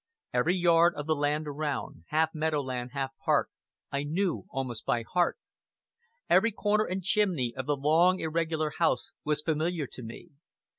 Every yard of the land around, half meadow land, half park, I knew almost by heart; every corner and chimney of the long irregular house was familiar to me.